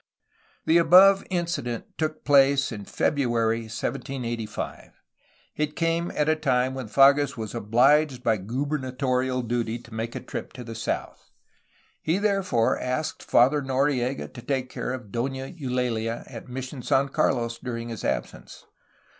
The above incident took place in February 1785. It came at a time when Fages was obliged by gubernatorial duty to make a trip to the south. He therefore asked Father Noriega to take care of Dona Eulalia at Mission San Carlos dur ing his absence.